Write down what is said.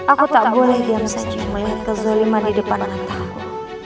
aku tak boleh diam diam melihat kezaliman di depan ataku